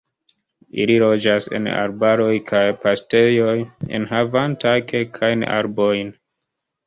Ili loĝas en arbaroj kaj paŝtejoj enhavantaj kelkajn arbojn.